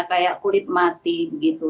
kayak kulit mati begitu